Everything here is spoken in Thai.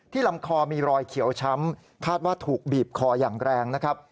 ลำคอมีรอยเขียวช้ำคาดว่าถูกบีบคออย่างแรงนะครับ